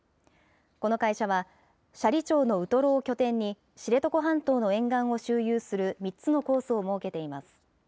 この会社は、斜里町のウトロを拠点に、知床半島の沿岸を周遊する３つのコースを設けています。